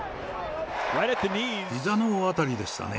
ひざの辺りでしたね。